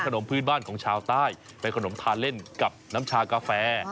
พื้นบ้านของชาวใต้เป็นขนมทานเล่นกับน้ำชากาแฟ